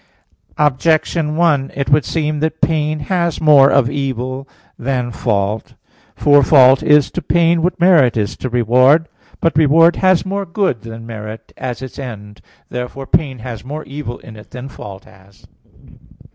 Objection 1: It would seem that pain has more of evil than fault. For fault is to pain what merit is to reward. But reward has more good than merit, as its end. Therefore pain has more evil in it than fault has.